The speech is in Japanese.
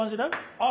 ああ